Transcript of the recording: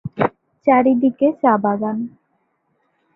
চারদিকে চা-বাগান।